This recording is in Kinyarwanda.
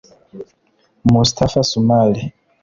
Moustapha Soumaré